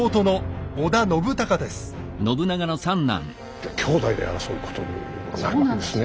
じゃ兄弟で争うことになるわけですね。